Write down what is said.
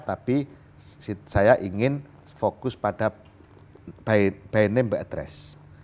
tapi saya ingin fokus pada by name by address